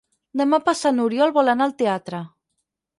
Demà passat n'Oriol vol anar al teatre.